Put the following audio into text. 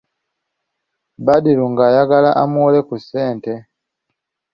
Badru ng'ayagala amuwole ku ssente..